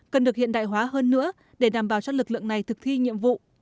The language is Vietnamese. cần được hiện đại hóa hơn nữa để đảm bảo cho lực lượng này thực thi nhiệm vụ